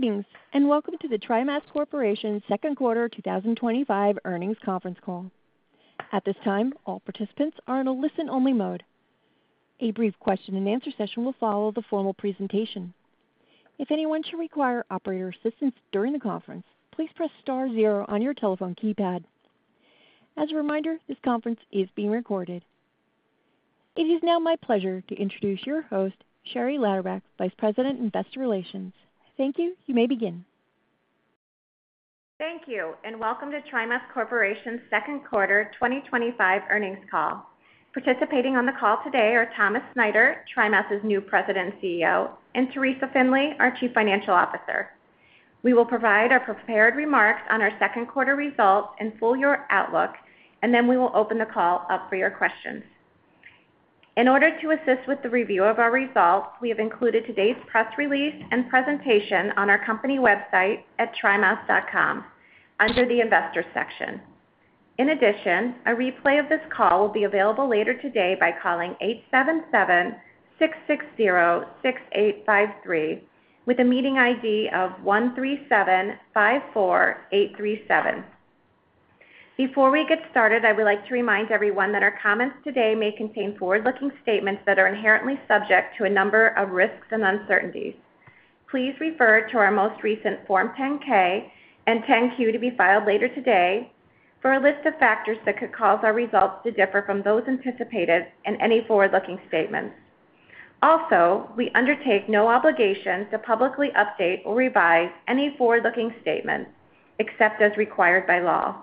Greetings, and welcome to the TriMas Corporation Second Quarter 2025 Earnings Conference Call. At this time, all participants are in a listen-only mode. A brief question-and-answer session will follow the formal presentation. If anyone should require operator assistance during the conference, please press star zero on your telephone keypad. As a reminder, this conference is being recorded. It is now my pleasure to introduce your host, Sherry Lauderback, Vice President, Investor Relations. Thank you. You may begin. Thank you, and welcome to TriMas Corporation's Second Quarter 2025 Earnings Call. Participating on the call today are Thomas Snyder, TriMas's new President and CEO, and Teresa Finley, our Chief Financial Officer. We will provide our prepared remarks on our second quarter results and full year outlook, and then we will open the call up for your questions. In order to assist with the review of our results, we have included today's press release and presentation on our company website at trimas.com under the investors section. In addition, a replay of this call will be available later today by calling 877-660-6853 with a meeting ID of 137-54-837. Before we get started, I would like to remind everyone that our comments today may contain forward-looking statements that are inherently subject to a number of risks and uncertainties. Please refer to our most recent Form 10-K and 10-Q to be filed later today for a list of factors that could cause our results to differ from those anticipated in any forward-looking statements. Also, we undertake no obligations to publicly update or revise any forward-looking statements, except as required by law.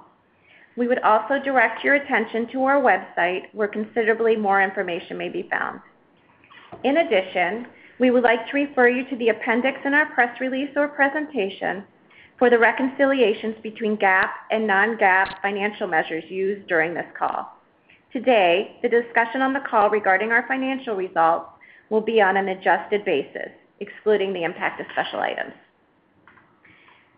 We would also direct your attention to our website, where considerably more information may be found. In addition, we would like to refer you to the appendix in our press release or presentation for the reconciliations between GAAP and non-GAAP financial measures used during this call. Today, the discussion on the call regarding our financial results will be on an adjusted basis, excluding the impact of special items.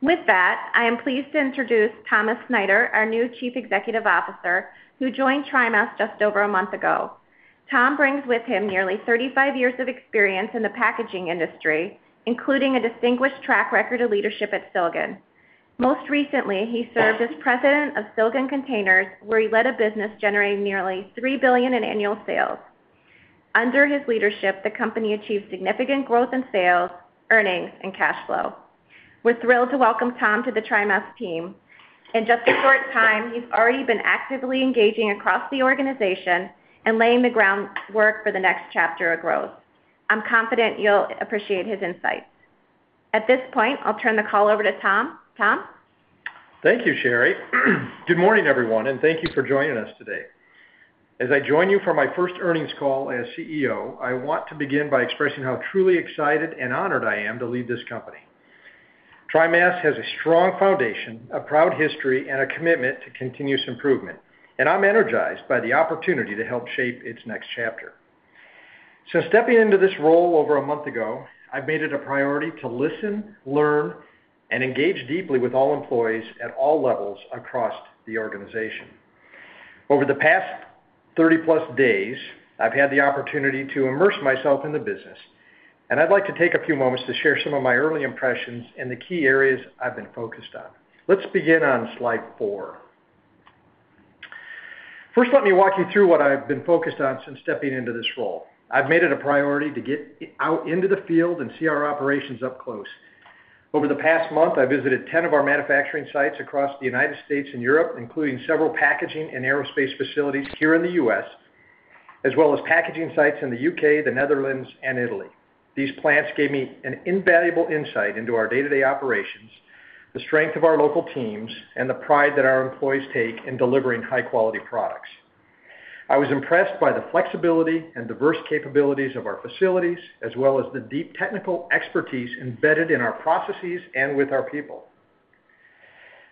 With that, I am pleased to introduce Thomas Snyder, our new Chief Executive Officer, who joined TriMas just over a month ago. Tom brings with him nearly 35 years of experience in the packaging industry, including a distinguished track record of leadership at Silgan. Most recently, he served as President of Silgan Containers, where he led a business generating nearly $3 billion in annual sales. Under his leadership, the company achieved significant growth in sales, earnings, and cash flow. We're thrilled to welcome Tom to the TriMas team. In just a short time, he's already been actively engaging across the organization and laying the groundwork for the next chapter of growth. I'm confident you'll appreciate his insights. At this point, I'll turn the call over to Tom. Tom? Thank you, Sherry. Good morning, everyone, and thank you for joining us today. As I join you for my first earnings call as CEO, I want to begin by expressing how truly excited and honored I am to lead this company. TriMas has a strong foundation, a proud history, and a commitment to continuous improvement, and I'm energized by the opportunity to help shape its next chapter. Since stepping into this role over a month ago, I've made it a priority to listen, learn, and engage deeply with all employees at all levels across the organization. Over the past 30+ days, I've had the opportunity to immerse myself in the business, and I'd like to take a few moments to share some of my early impressions and the key areas I've been focused on. Let's begin on slide four. First, let me walk you through what I've been focused on since stepping into this role. I've made it a priority to get out into the field and see our operations up close. Over the past month, I visited 10 of our manufacturing sites across the United States and Europe, including several packaging and aerospace facilities here in the U.S., as well as packaging sites in the U.K., the Netherlands, and Italy. These plants gave me invaluable insight into our day-to-day operations, the strength of our local teams, and the pride that our employees take in delivering high-quality products. I was impressed by the flexibility and diverse capabilities of our facilities, as well as the deep technical expertise embedded in our processes and with our people.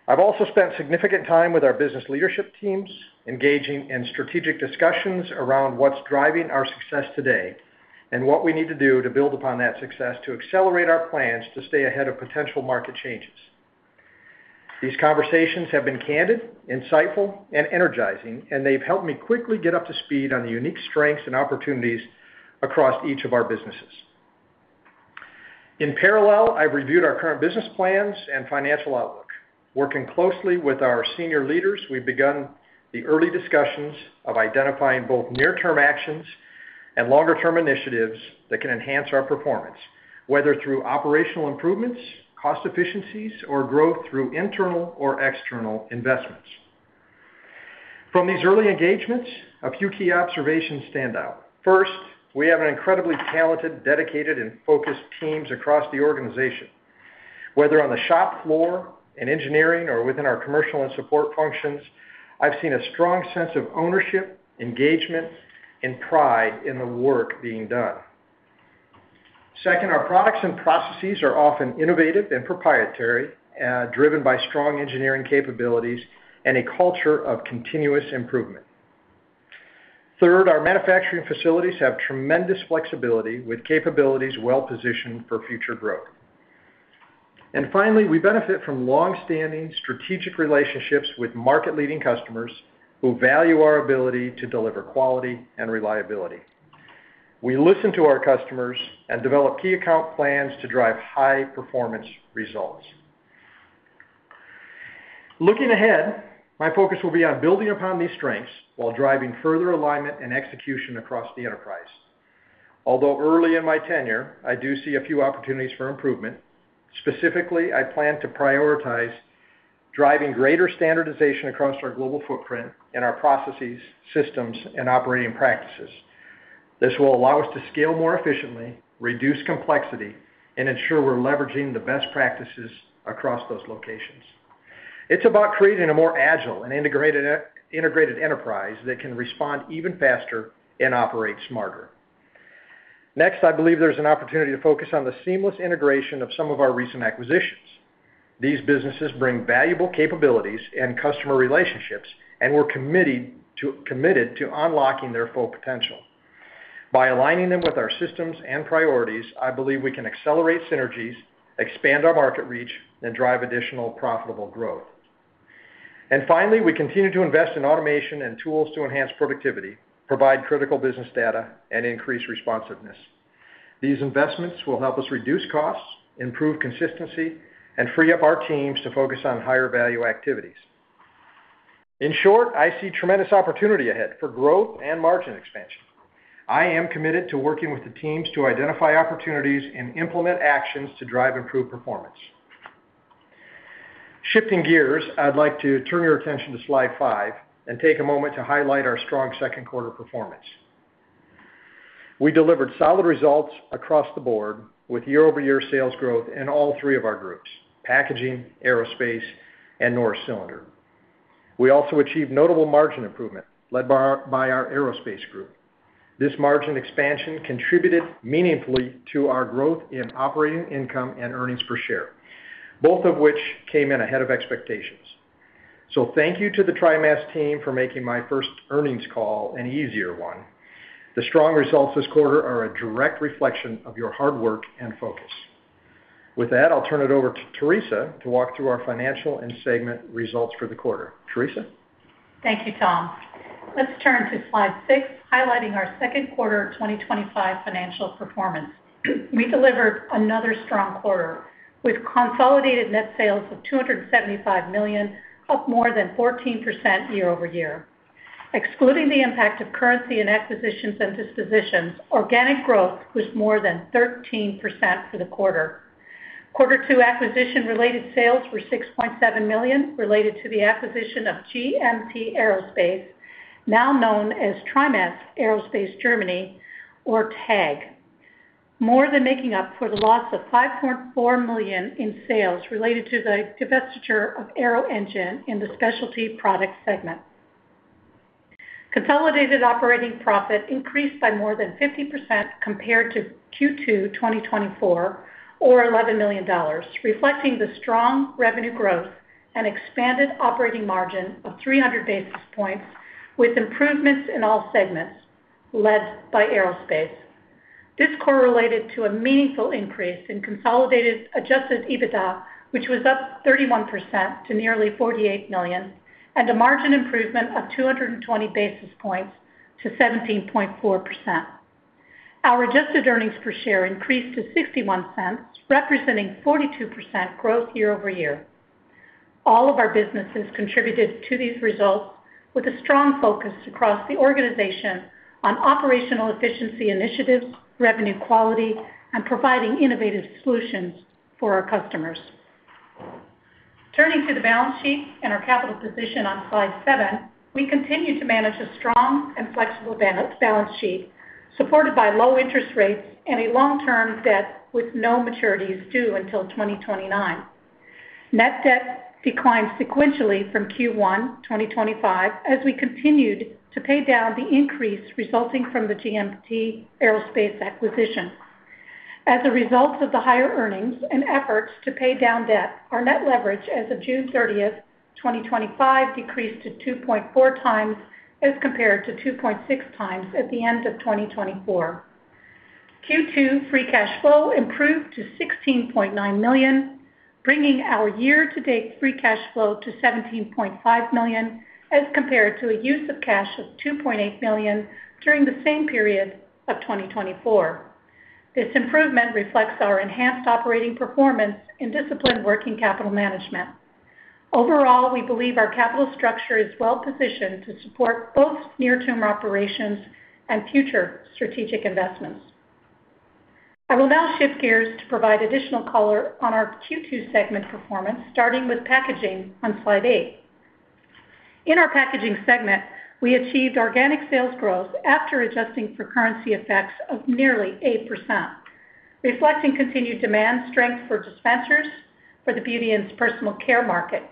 I've also spent significant time with our business leadership teams, engaging in strategic discussions around what's driving our success today and what we need to do to build upon that success to accelerate our plans to stay ahead of potential market changes. These conversations have been candid, insightful, and energizing, and they've helped me quickly get up to speed on the unique strengths and opportunities across each of our businesses. In parallel, I've reviewed our current business plans and financial outlook. Working closely with our senior leaders, we've begun the early discussions of identifying both near-term actions and longer-term initiatives that can enhance our performance, whether through operational improvements, cost efficiencies, or growth through internal or external investments. From these early engagements, a few key observations stand out. First, we have an incredibly talented, dedicated, and focused team across the organization. Whether on the shop floor in engineering or within our commercial and support functions, I've seen a strong sense of ownership, engagement, and pride in the work being done. Second, our products and processes are often innovative and proprietary, driven by strong engineering capabilities and a culture of continuous improvement. Third, our manufacturing facilities have tremendous flexibility with capabilities well positioned for future growth. Finally, we benefit from longstanding strategic relationships with market-leading customers who value our ability to deliver quality and reliability. We listen to our customers and develop key account plans to drive high-performance results. Looking ahead, my focus will be on building upon these strengths while driving further alignment and execution across the enterprise. Although early in my tenure, I do see a few opportunities for improvement. Specifically, I plan to prioritize driving greater standardization across our global footprint and our processes, systems, and operating practices. This will allow us to scale more efficiently, reduce complexity, and ensure we're leveraging the best practices across those locations. It's about creating a more agile and integrated enterprise that can respond even faster and operate smarter. Next, I believe there's an opportunity to focus on the seamless integration of some of our recent acquisitions. These businesses bring valuable capabilities and customer relationships, and we're committed to unlocking their full potential. By aligning them with our systems and priorities, I believe we can accelerate synergies, expand our market reach, and drive additional profitable growth. Finally, we continue to invest in automation and tools to enhance productivity, provide critical business data, and increase responsiveness. These investments will help us reduce costs, improve consistency, and free up our teams to focus on higher value activities. In short, I see tremendous opportunity ahead for growth and margin expansion. I am committed to working with the teams to identify opportunities and implement actions to drive improved performance. Shifting gears, I'd like to turn your attention to slide five and take a moment to highlight our strong second quarter performance. We delivered solid results across the board with year-over-year sales growth in all three of our groups: packaging, aerospace, and Norris Cylinder. We also achieved notable margin improvement led by our aerospace group. This margin expansion contributed meaningfully to our growth in operating income and earnings per share, both of which came in ahead of expectations. Thank you to the TriMas team for making my first earnings call an easier one. The strong results this quarter are a direct reflection of your hard work and focus. With that, I'll turn it over to Teresa to walk through our financial and segment results for the quarter. Teresa. Thank you, Tom. Let's turn to slide six, highlighting our second quarter 2025 financial performance. We delivered another strong quarter with consolidated net sales of $275 million, up more than 14% year-over-year. Excluding the impact of currency and acquisitions and dispositions, organic growth was more than 13% for the quarter. Quarter two acquisition-related sales were $6.7 million related to the acquisition of GMP Aerospace, now known as TriMas Aerospace Germany or TAG, more than making up for the loss of $5.4 million in sales related to the divestiture of AeroEngine in the specialty product segment. Consolidated operating profit increased by more than 50% compared to Q2 2024, or $11 million, reflecting the strong revenue growth and expanded operating margin of 300 basis points with improvements in all segments led by aerospace. This correlated to a meaningful increase in consolidated adjusted EBITDA, which was up 31% to nearly $48 million, and a margin improvement of 220 basis points to 17.4%. Our adjusted earnings per share increased to $0.61, representing 42% growth year-over-year. All of our businesses contributed to these results with a strong focus across the organization on operational efficiency initiatives, revenue quality, and providing innovative solutions for our customers. Turning to the balance sheet and our capital position on slide seven, we continue to manage a strong and flexible balance sheet supported by low interest rates and a long-term debt with no maturities due until 2029. Net debt declined sequentially from Q1 2025 as we continued to pay down the increase resulting from the GMP Aerospace acquisition. As a result of the higher earnings and efforts to pay down debt, our net leverage as of June 30, 2025 decreased to 2.4x as compared to 2.6x at the end of 2024. Q2 free cash flow improved to $16.9 million, bringing our year-to-date free cash flow to $17.5 million as compared to a use of cash of $2.8 million during the same period of 2024. This improvement reflects our enhanced operating performance and disciplined working capital management. Overall, we believe our capital structure is well positioned to support both near-term operations and future strategic investments. I will now shift gears to provide additional color on our Q2 segment performance, starting with packaging on slide eight. In our packaging segment, we achieved organic sales growth after adjusting for currency effects of nearly 8%, reflecting continued demand strength for dispensers for the beauty and personal care market.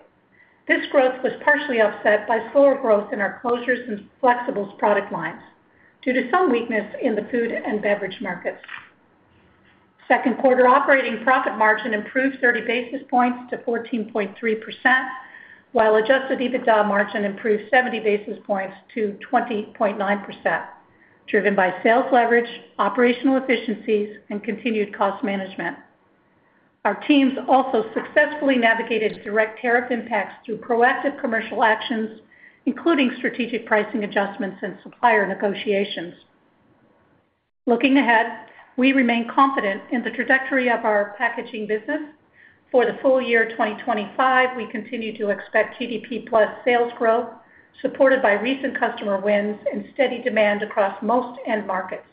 This growth was partially offset by slower growth in our closures and flexibles product lines due to some weakness in the food and beverage markets. Second quarter operating profit margin improved 30 basis points to 14.3%, while adjusted EBITDA margin improved 70 basis points to 20.9%, driven by sales leverage, operational efficiencies, and continued cost management. Our teams also successfully navigated direct tariff impacts through proactive commercial actions, including strategic pricing adjustments and supplier negotiations. Looking ahead, we remain confident in the trajectory of our packaging business. For the full year 2025, we continue to expect GDP plus sales growth supported by recent customer wins and steady demand across most end markets.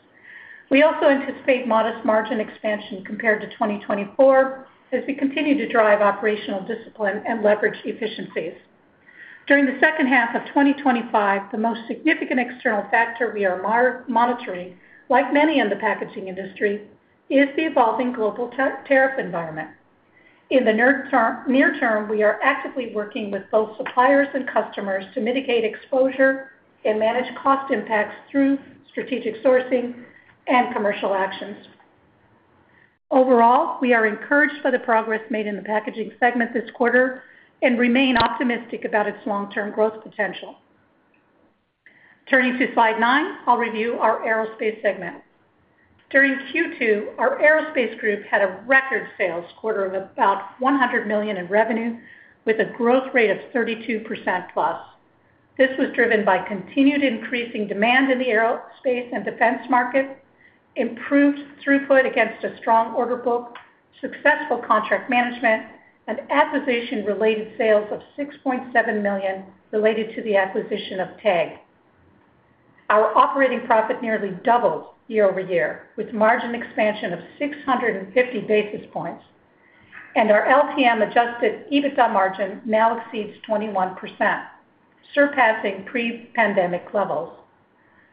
We also anticipate modest margin expansion compared to 2024 as we continue to drive operational discipline and leverage efficiencies. During the second half of 2025, the most significant external factor we are monitoring, like many in the packaging industry, is the evolving global tariff environment. In the near term, we are actively working with both suppliers and customers to mitigate exposure and manage cost impacts through strategic sourcing and commercial actions. Overall, we are encouraged by the progress made in the packaging segment this quarter and remain optimistic about its long-term growth potential. Turning to slide nine, I'll review our aerospace segment. During Q2, our aerospace group had a record sales quarter of about $100 million in revenue with a growth rate of 32%+. This was driven by continued increasing demand in the aerospace and defense market, improved throughput against a strong order book, successful contract management, and acquisition-related sales of $6.7 million related to the acquisition of TAG. Our operating profit nearly doubled year-over-year with margin expansion of 650 basis points, and our LTM adjusted EBITDA margin now exceeds 21%, surpassing pre-pandemic levels.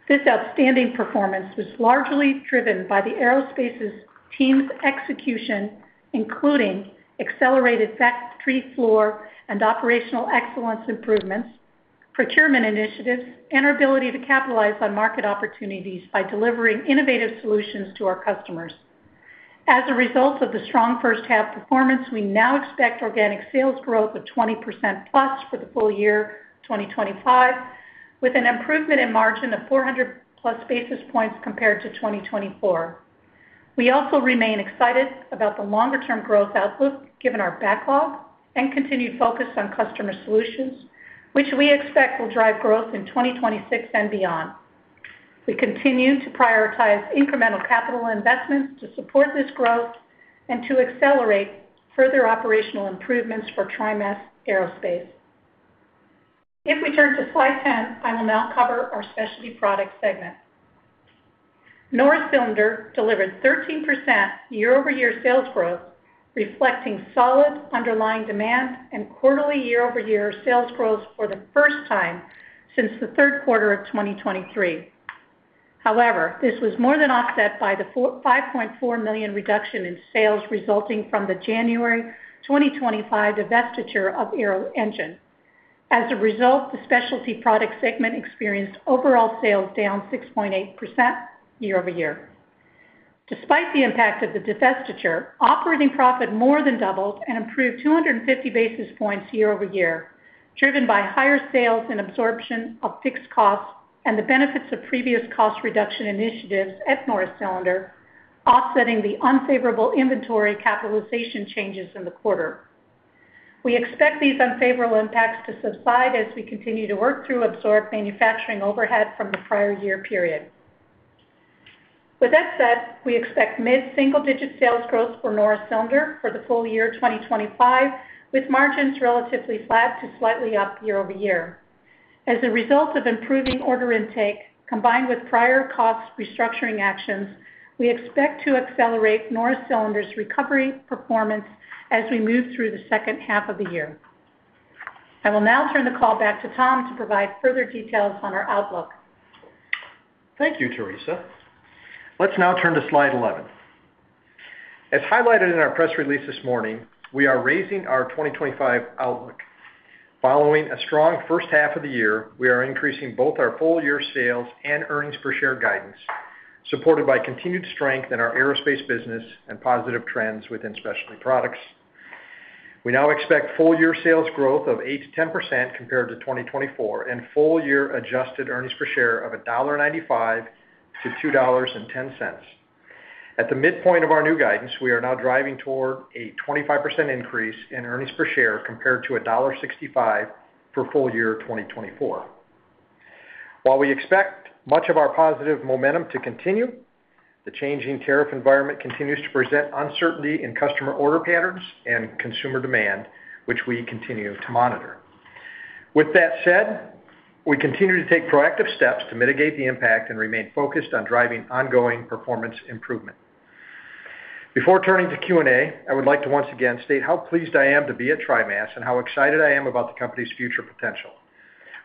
This outstanding performance was largely driven by the aerospace team's execution, including accelerated factory floor and operational excellence improvements, procurement initiatives, and our ability to capitalize on market opportunities by delivering innovative solutions to our customers. As a result of the strong first half performance, we now expect organic sales growth of 20%+ for the full year 2025, with an improvement in margin of 400+ basis points compared to 2024. We also remain excited about the longer-term growth outlook given our backlog and continued focus on customer solutions, which we expect will drive growth in 2026 and beyond. We continue to prioritize incremental capital investments to support this growth and to accelerate further operational improvements for TriMas Aerospace. If we turn to slide 10, I will now cover our specialty product segment. Norris Cylinder delivered 13% year-over-year sales growth, reflecting solid underlying demand and quarterly year-over-year sales growth for the first time since the third quarter of 2023. However, this was more than offset by the $5.4 million reduction in sales resulting from the January 2025 divestiture of AeroEngine. As a result, the specialty product segment experienced overall sales down 6.8% year-over-year. Despite the impact of the divestiture, operating profit more than doubled and improved 250 basis points year-over-year, driven by higher sales and absorption of fixed costs and the benefits of previous cost reduction initiatives at Norris Cylinder, offsetting the unfavorable inventory capitalization changes in the quarter. We expect these unfavorable impacts to subside as we continue to work through absorbed manufacturing overhead from the prior year period. With that said, we expect mid-single-digit sales growth for Norris Cylinder for the full year 2025, with margins relatively flat to slightly up year-over-year. As a result of improving order intake, combined with prior cost restructuring actions, we expect to accelerate Norris Cylinder's recovery performance as we move through the second half of the year. I will now turn the call back to Tom to provide further details on our outlook. Thank you, Teresa. Let's now turn to slide 11. As highlighted in our press release this morning, we are raising our 2025 outlook. Following a strong first half of the year, we are increasing both our full-year sales and earnings per share guidance, supported by continued strength in our aerospace business and positive trends within specialty products. We now expect full-year sales growth of 8%-10% compared to 2024 and full-year adjusted earnings per share of $1.95-$2.10. At the midpoint of our new guidance, we are now driving toward a 25% increase in earnings per share compared to $1.65 for full year 2024. While we expect much of our positive momentum to continue, the changing tariff environment continues to present uncertainty in customer order patterns and consumer demand, which we continue to monitor. With that said, we continue to take proactive steps to mitigate the impact and remain focused on driving ongoing performance improvement. Before turning to Q&A, I would like to once again state how pleased I am to be at TriMas and how excited I am about the company's future potential.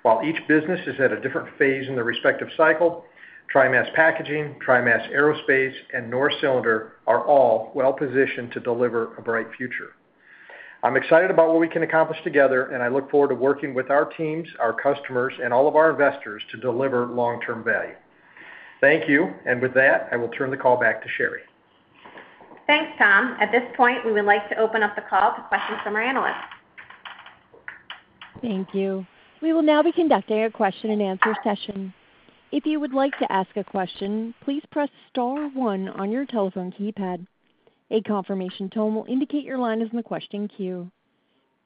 While each business is at a different phase in their respective cycle, TriMas Packaging, TriMas Aerospace, and Norris Cylinder are all well positioned to deliver a bright future. I'm excited about what we can accomplish together, and I look forward to working with our teams, our customers, and all of our investors to deliver long-term value. Thank you, and with that, I will turn the call back to Sherry. Thanks, Tom. At this point, we would like to open up the call to questions from our analysts. Thank you. We will now be conducting a question-and-answer session. If you would like to ask a question, please press star one on your telephone keypad. A confirmation tone will indicate your line is in the question queue.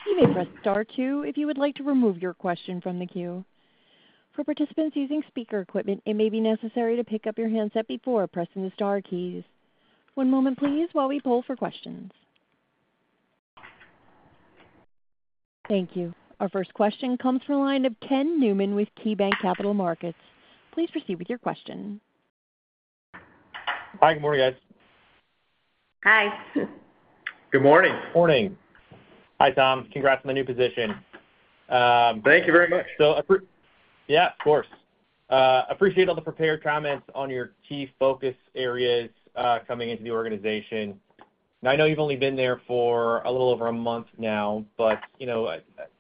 You may press star two if you would like to remove your question from the queue. For participants using speaker equipment, it may be necessary to pick up your handset before pressing the star keys. One moment, please, while we pull for questions. Thank you. Our first question comes from a line of Ken Newman with KeyBanc Capital Markets. Please proceed with your question. Hi, good morning, guys. Hi. Good morning. Morning. Hi, Tom. Congrats on the new position. Thank you very much. Of course, I appreciate all the prepared comments on your key focus areas coming into the organization. I know you've only been there for a little over a month now, but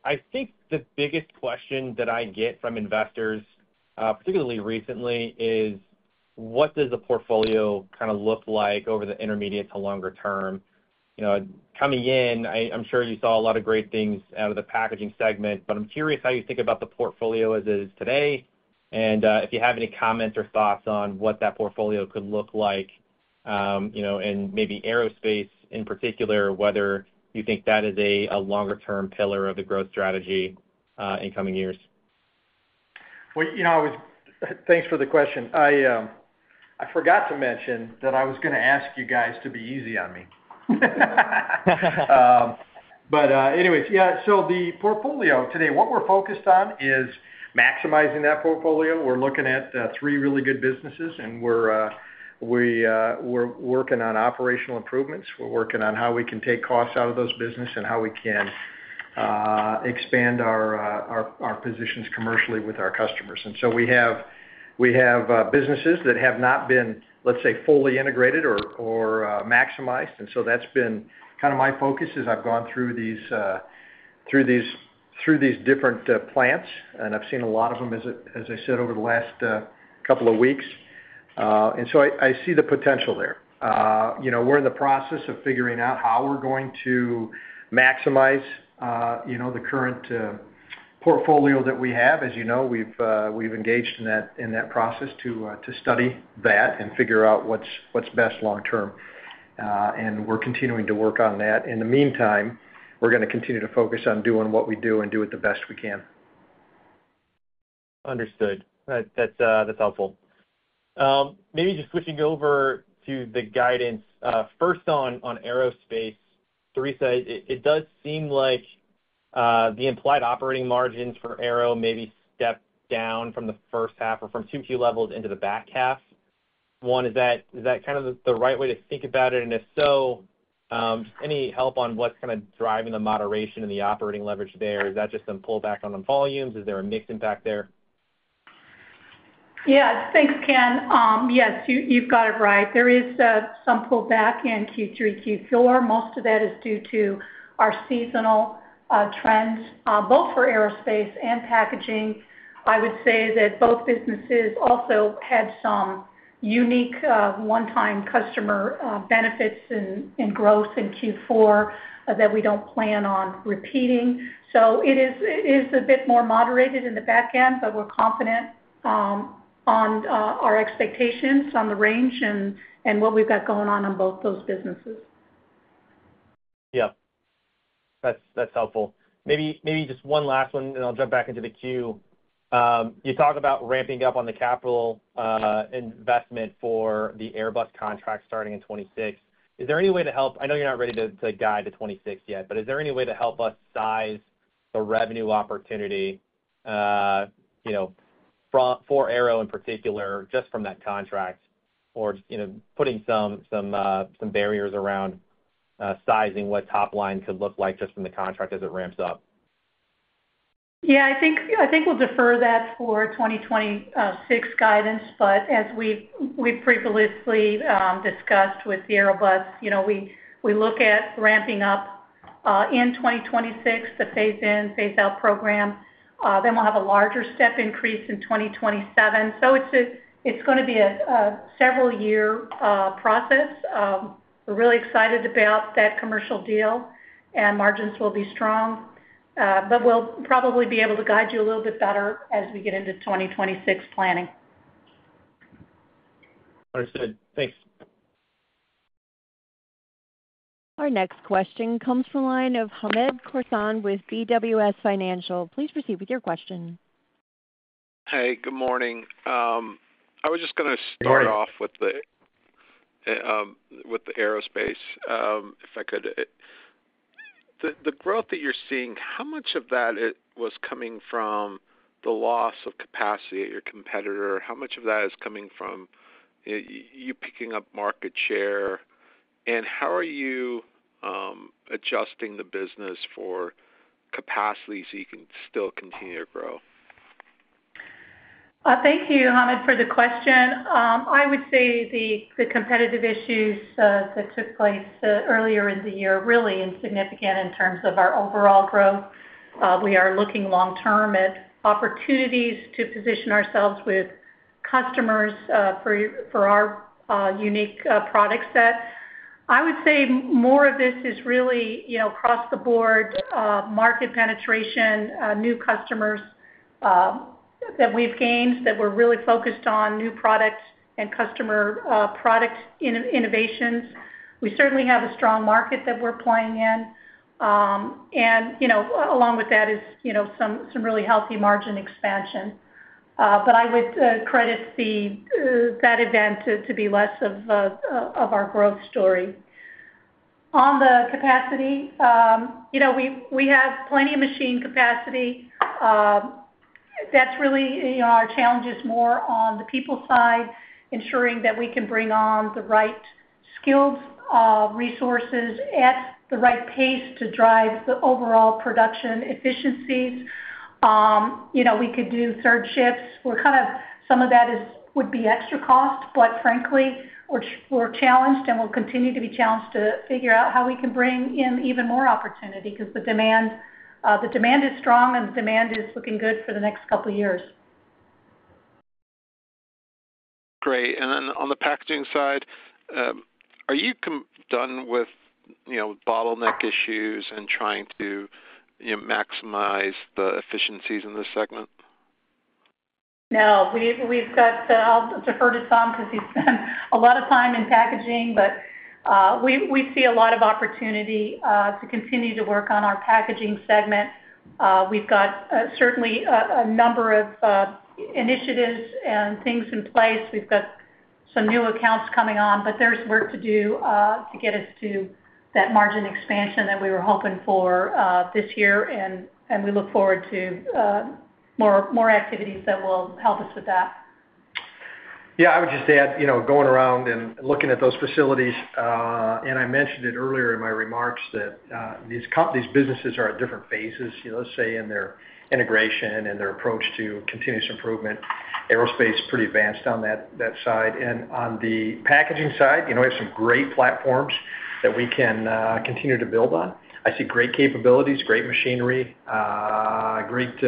I think the biggest question that I get from investors, particularly recently, is what does the portfolio kind of look like over the intermediate to longer term? Coming in, I'm sure you saw a lot of great things out of the packaging segment, but I'm curious how you think about the portfolio as it is today, and if you have any comments or thoughts on what that portfolio could look like, and maybe aerospace in particular, whether you think that is a longer-term pillar of the growth strategy in coming years. Thank you for the question. I forgot to mention that I was going to ask you guys to be easy on me. Anyways, the portfolio today, what we're focused on is maximizing that portfolio. We're looking at three really good businesses, and we're working on operational improvements. We're working on how we can take costs out of those businesses and how we can expand our positions commercially with our customers. We have businesses that have not been, let's say, fully integrated or maximized. That's been kind of my focus as I've gone through these different plants, and I've seen a lot of them, as I said, over the last couple of weeks. I see the potential there. We're in the process of figuring out how we're going to maximize the current portfolio that we have. As you know, we've engaged in that process to study that and figure out what's best long term. We're continuing to work on that. In the meantime, we're going to continue to focus on doing what we do and do it the best we can. Understood. That's helpful. Maybe just switching over to the guidance. First, on aerospace, Teresa, it does seem like the implied operating margins for Aero maybe step down from the first half or from Q2 levels into the back half. One, is that kind of the right way to think about it? If so, just any help on what's kind of driving the moderation in the operating leverage there? Is that just some pullback on the volumes? Is there a mixed impact there? Yes, thanks, Ken. Yes, you've got it right. There is some pullback in Q3 and Q4. Most of that is due to our seasonal trends, both for aerospace and packaging. I would say that both businesses also had some unique, one-time customer benefits and growth in Q4 that we don't plan on repeating. It is a bit more moderated in the back end, but we're confident on our expectations on the range and what we've got going on in both those businesses. Yeah, that's helpful. Maybe just one last one, and I'll jump back into the queue. You talk about ramping up on the capital investment for the Airbus contract starting in 2026. Is there any way to help? I know you're not ready to guide to 2026 yet, but is there any way to help us size the revenue opportunity for Aero in particular, just from that contract, or putting some barriers around sizing what top line could look like just from the contract as it ramps up? I think we'll defer that for 2026 guidance. As we've previously discussed with the Airbus, we look at ramping up in 2026, the phase-in, phase-out program. We'll have a larger step increase in 2027. It's going to be a several-year process. We're really excited about that commercial deal, and margins will be strong. We'll probably be able to guide you a little bit better as we get into 2026 planning. Understood. Thanks. Our next question comes from a line of Hamed Khorsand with BWS Financial. Please proceed with your question. Good morning. I was just going to start off with the aerospace. If I could, the growth that you're seeing, how much of that was coming from the loss of capacity at your competitor? How much of that is coming from you picking up market share? How are you adjusting the business for capacity so you can still continue to grow? Thank you, Hamed, for the question. I would say the competitive issues that took place earlier in the year are really insignificant in terms of our overall growth. We are looking long-term at opportunities to position ourselves with customers for our unique product set. I would say more of this is really, you know, across the board, market penetration, new customers that we've gained, that we're really focused on new product and customer product innovations. We certainly have a strong market that we're playing in, and, you know, along with that is, you know, some really healthy margin expansion. I would credit that event to be less of our growth story. On the capacity, you know, we have plenty of machine capacity. That's really, you know, our challenge is more on the people side, ensuring that we can bring on the right skills and resources at the right pace to drive the overall production efficiencies. You know, we could do third shifts. We're kind of, some of that would be extra cost, but frankly, we're challenged and we'll continue to be challenged to figure out how we can bring in even more opportunity because the demand is strong and the demand is looking good for the next couple of years. Great. On the packaging side, are you done with bottleneck issues and trying to maximize the efficiencies in this segment? We've got, I'll defer to Tom because he spent a lot of time in packaging, but we see a lot of opportunity to continue to work on our packaging segment. We've got certainly a number of initiatives and things in place. We've got some new accounts coming on, but there's work to do to get us to that margin expansion that we were hoping for this year. We look forward to more activities that will help us with that. Yeah, I would just add, you know, going around and looking at those facilities, and I mentioned it earlier in my remarks that these companies, businesses are at different phases, you know, let's say in their integration and their approach to continuous improvement. Aerospace is pretty advanced on that side. On the packaging side, you know, we have some great platforms that we can continue to build on. I see great capabilities, great machinery, great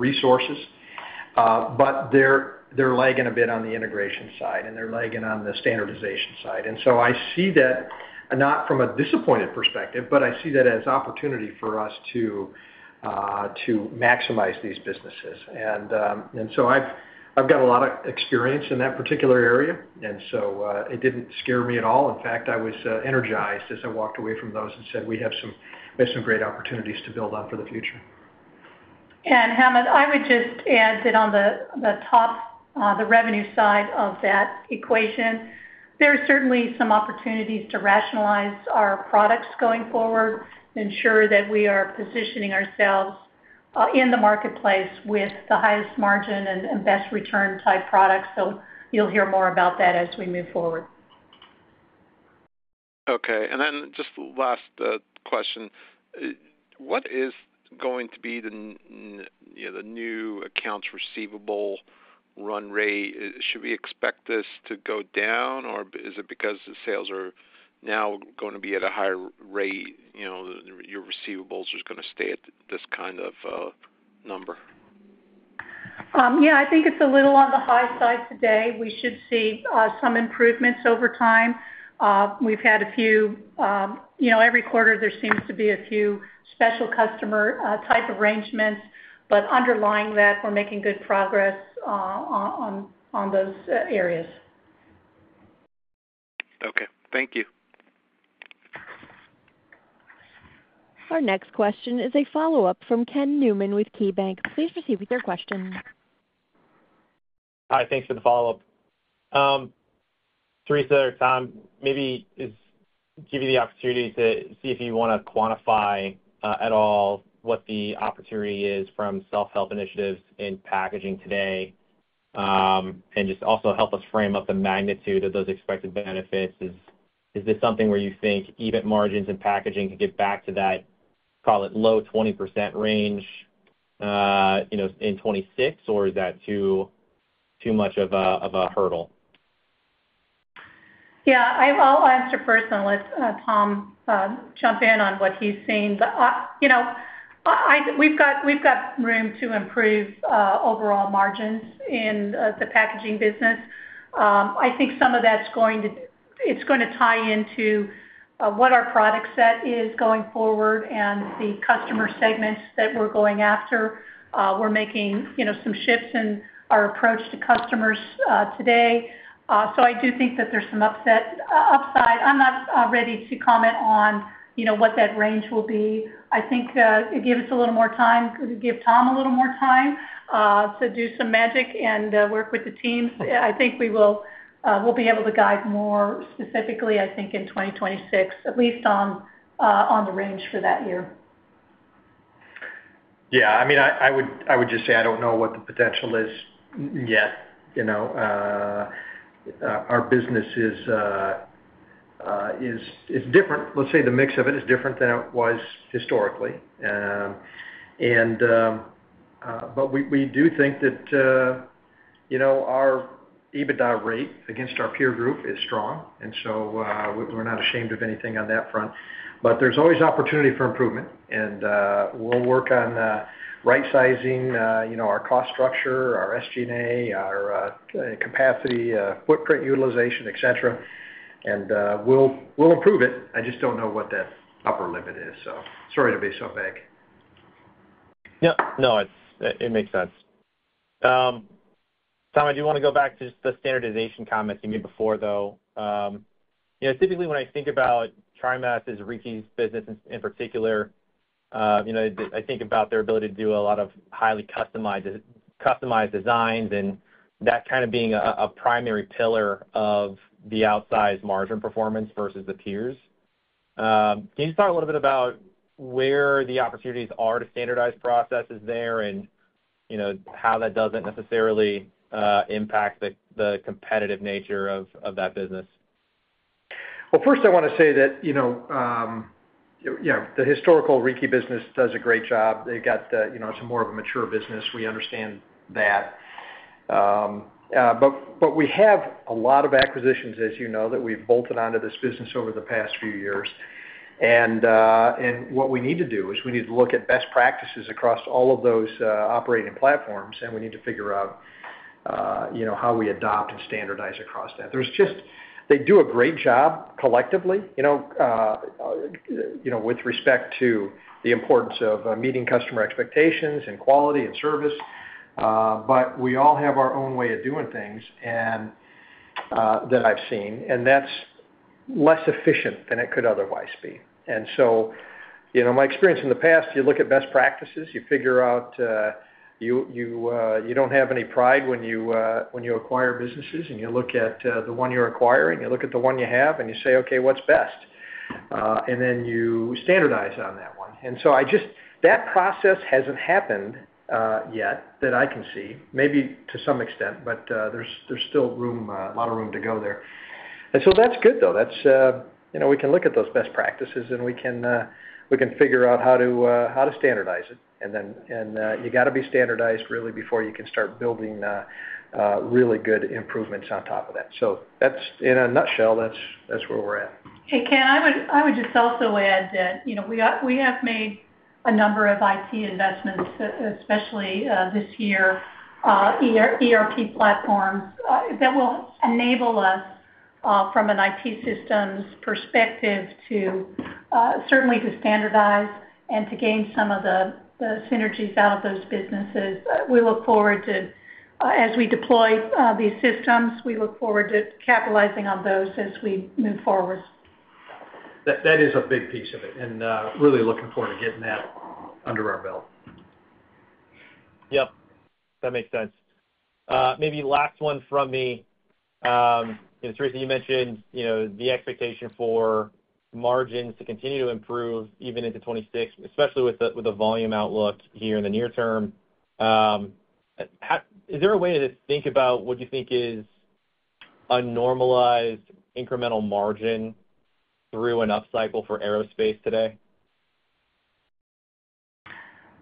resources, but they're lagging a bit on the integration side, and they're lagging on the standardization side. I see that not from a disappointed perspective, but I see that as an opportunity for us to maximize these businesses. I've got a lot of experience in that particular area. It didn't scare me at all. In fact, I was energized as I walked away from those and said we have some great opportunities to build on for the future. Hamed, I would just add that on the revenue side of that equation, there are certainly some opportunities to rationalize our products going forward and ensure that we are positioning ourselves in the marketplace with the highest margin and best return type products. You'll hear more about that as we move forward. Okay. Just the last question, what is going to be the, you know, the new accounts receivable run rate? Should we expect this to go down, or is it because the sales are now going to be at a higher rate? You know, your receivables are going to stay at this kind of number. Yeah, I think it's a little on the high side today. We should see some improvements over time. We've had a few, you know, every quarter there seems to be a few special customer type arrangements. Underlying that, we're making good progress on those areas. Okay, thank you. Our next question is a follow-up from Ken Newman with KeyBanc Capital Markets. Please proceed with your question. Hi, thanks for the follow-up. Teresa, Tom, maybe give you the opportunity to see if you want to quantify at all what the opportunity is from self-help initiatives in packaging today, and just also help us frame up the magnitude of those expected benefits. Is this something where you think EBIT margins in packaging could get back to that, call it low 20% range, you know, in 2026, or is that too much of a hurdle? Yeah, I'll answer first and let Tom jump in on what he's seeing. We've got room to improve overall margins in the packaging business. I think some of that's going to tie into what our product set is going forward and the customer segments that we're going after. We're making some shifts in our approach to customers today. I do think that there's some upside. I'm not ready to comment on what that range will be. I think it gave us a little more time to give Tom a little more time to do some magic and work with the team. I think we will be able to guide more specifically, I think, in 2026, at least on the range for that year. I would just say I don't know what the potential is yet. Our business is different. Let's say the mix of it is different than it was historically, but we do think that our EBITDA rate against our peer group is strong. We're not ashamed of anything on that front. There's always opportunity for improvement. We'll work on right-sizing our cost structure, our SG&A, our capacity, footprint utilization, etc. We'll improve it. I just don't know what that upper limit is. Sorry to be so vague. Yeah, no, it makes sense. Tom, I do want to go back to just the standardization comments you made before, though. Typically when I think about TriMas, as Rieke's business in particular, I think about their ability to do a lot of highly customized designs and that kind of being a primary pillar of the outsized margin performance versus the peers. Can you talk a little bit about where the opportunities are to standardize processes there and how that doesn't necessarily impact the competitive nature of that business? First, I want to say that the historical Rieke business does a great job. It's more of a mature business. We understand that. We have a lot of acquisitions, as you know, that we've bolted onto this business over the past few years. What we need to do is look at best practices across all of those operating platforms, and we need to figure out how we adopt and standardize across that. They do a great job collectively with respect to the importance of meeting customer expectations and quality and service. We all have our own way of doing things, and that I've seen, and that's less efficient than it could otherwise be. My experience in the past, you look at best practices, you figure out, you don't have any pride when you acquire businesses and you look at the one you're acquiring, you look at the one you have and you say, okay, what's best, and then you standardize on that one. That process hasn't happened yet that I can see, maybe to some extent, but there's still a lot of room to go there. That's good, though. We can look at those best practices and we can figure out how to standardize it. You got to be standardized really before you can start building really good improvements on top of that. In a nutshell, that's where we're at. Ken, I would just also add that we have made a number of IT investments, especially this year, ERP platforms that will enable us, from an IT systems perspective, to certainly standardize and to gain some of the synergies out of those businesses. We look forward to, as we deploy these systems, capitalizing on those as we move forward. That is a big piece of it. I am really looking forward to getting that under our belt. Yep. That makes sense. Maybe last one from me. Teresa, you mentioned the expectation for margins to continue to improve even into 2026, especially with the volume outlook here in the near term. Is there a way to think about what you think is a normalized incremental margin through an upcycle for aerospace today?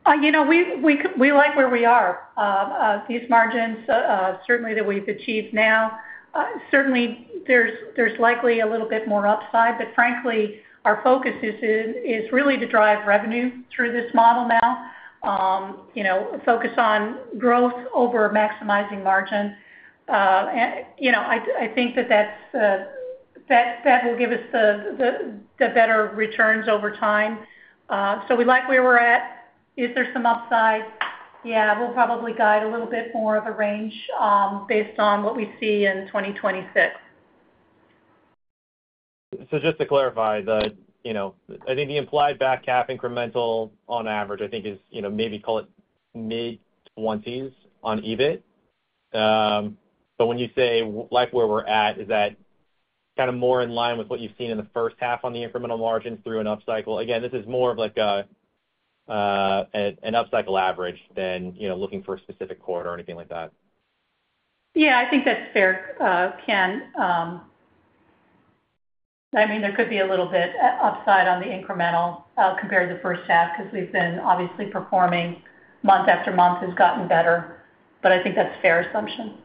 We like where we are. These margins, certainly, that we've achieved now, certainly, there's likely a little bit more upside, but frankly, our focus is really to drive revenue through this model now. Focus on growth over maximizing margin. I think that that will give us the better returns over time. We like where we're at. Is there some upside? Yeah, we'll probably guide a little bit more of the range based on what we see in 2026. Just to clarify, I think the implied back cap incremental on average is, maybe call it mid-20s on EBIT. When you say like where we're at, is that kind of more in line with what you've seen in the first half on the incremental margin through an upcycle? This is more of like an upcycle average than looking for a specific quarter or anything like that. Yeah, I think that's fair, Ken. I mean, there could be a little bit of upside on the incremental compared to the first half because we've been obviously performing month after month has gotten better. I think that's a fair assumption.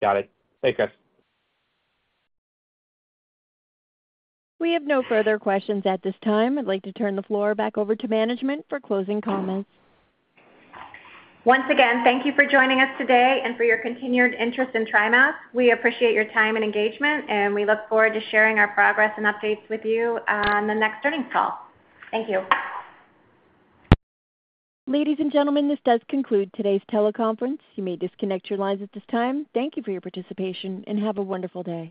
Got it. Thanks, guys. We have no further questions at this time. I'd like to turn the floor back over to management for closing comments. Once again, thank you for joining us today and for your continued interest in TriMas. We appreciate your time and engagement, and we look forward to sharing our progress and updates with you on the next earnings call. Thank you. Ladies and gentlemen, this does conclude today's teleconference. You may disconnect your lines at this time. Thank you for your participation and have a wonderful day.